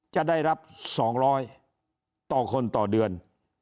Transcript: จะได้รับ๒๐๐ต่อคนต่อเดือน